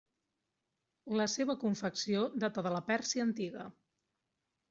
La seva confecció data de la Pèrsia antiga.